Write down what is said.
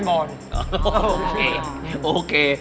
โอเคโอเค